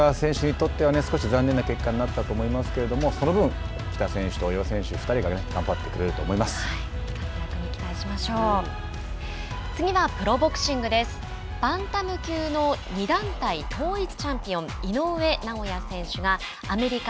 皆川選手にとっては少し残念な結果になったと思いますけれどもその分、喜田選手と大岩選手２人が頑張ってくれると思います。